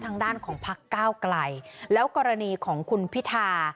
ทางด้านของพักก้าวไกลแล้วกรณีของคุณพิธา